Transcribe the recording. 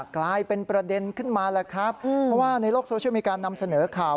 กลายเป็นประเด็นขึ้นมาแล้วครับเพราะว่าในโลกโซเชียลมีการนำเสนอข่าว